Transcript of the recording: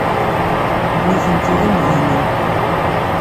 Nitenti d imdanen.